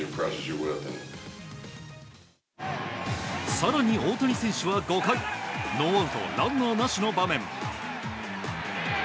更に、大谷選手は５回ノーアウトランナーなしの場面。